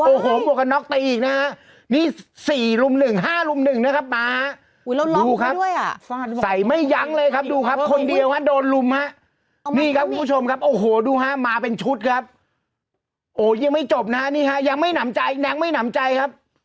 โอ้โหห้าหกครับตัวเองงงมาก